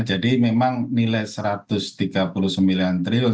jadi memang nilai satu ratus tiga puluh sembilan triliun